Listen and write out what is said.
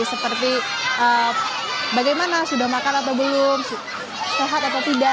seperti bagaimana sudah makan atau belum sehat atau tidak